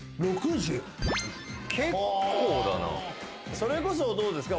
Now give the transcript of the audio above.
それこそどうですか？